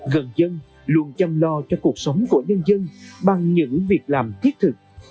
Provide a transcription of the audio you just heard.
gần dân luôn chăm lo cho cuộc sống của nhân dân bằng những việc làm thiết thực